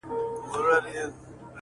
تسلیم کړي یې خانان او جنرالان وه٫